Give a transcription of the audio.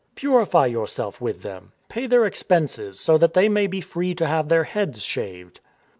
Purify yourself with them. Pay their expenses, so that they may be free to have their heads shaved."